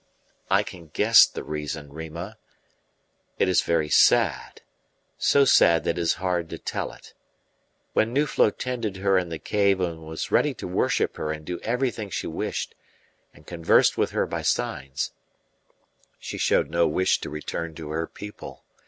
"I can guess the reason, Rima. It is very sad so sad that it is hard to tell it. When Nuflo tended her in the cave and was ready to worship her and do everything she wished, and conversed with her by signs, she showed no wish to return to her people.